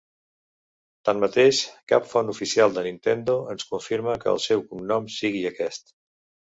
Tanmateix, cap font oficial de Nintendo ens confirma que el seu cognom sigui aquest.